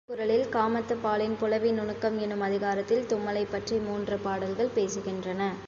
திருக்குறளில் காமத்துப்பாலின் புலவி நுணுக்கம் எனும் அதிகாரத்தில் தும்மலைப் பற்றி மூன்று பாடல்கள் பேசுகின்றன.